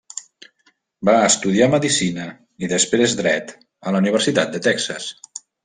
Va estudiar medicina, i després dret a la Universitat de Texas.